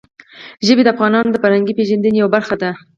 ژبې د افغانانو د فرهنګي پیژندنې یوه برخه ده.